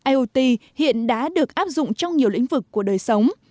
iot hiện đã được áp dụng trong nhiều lĩnh vực của đời sống